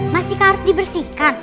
masih harus dibersihkan